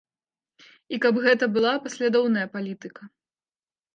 І каб гэта была паслядоўная палітыка.